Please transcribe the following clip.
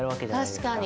確かに。